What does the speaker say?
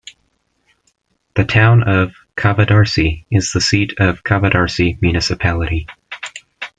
The town of Kavadarci is the seat of Kavadarci Municipality.